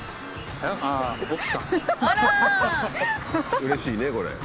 うれしいねこれ。